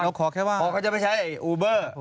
พอเขาจะไปใช้อูเบอร์